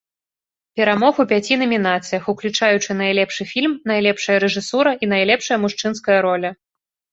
Перамог у пяці намінацыях, уключаючы найлепшы фільм, найлепшая рэжысура і найлепшая мужчынская роля.